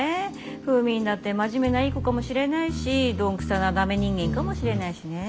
フーミンだって真面目ないい子かもしれないし鈍くさなダメ人間かもしれないしね。